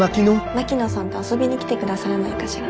槙野さんと遊びに来てくださらないかしら？